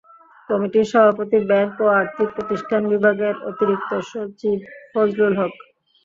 কমিটির সভাপতি ব্যাংক ও আর্থিক প্রতিষ্ঠান বিভাগের অতিরিক্ত সচিব ফজলুল হক।